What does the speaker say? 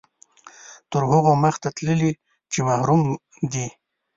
تر هغو مخته تللي چې محروم دي.